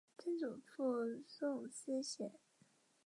曾祖父宋思贤。